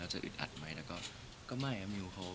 เราจะอึดอัดไหมแล้วก็ก็ไม่อะมิวเขาน่ารัก